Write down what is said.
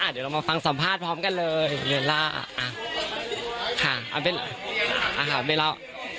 เดี๋ยวเรามาฟังสัมภาษณ์พร้อมกันเลยเวลา